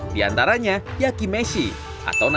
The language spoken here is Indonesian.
di antaranya yaki meshi atau nasi goreng